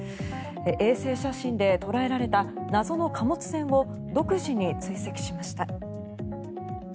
衛星写真で捉えられた謎の貨物船を独自に追跡しました。